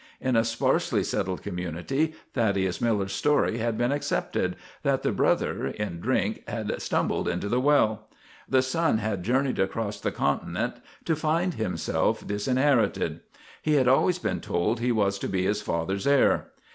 In a sparsely settled community Thaddeus Miller's story had been accepted that the brother, in drink, had stumbled into the well. The son had journeyed across the continent to find himself disinherited. He had always been told he was to be his father's heir.